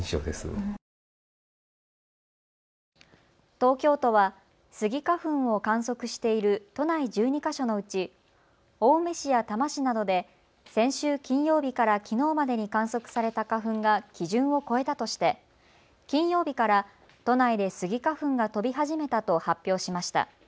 東京都はスギ花粉を観測している都内１２か所のうち青梅市や多摩市などで先週金曜日からきのうまでに観測された花粉が基準を超えたとして金曜日から都内でスギ花粉が飛び始めたと発表しました。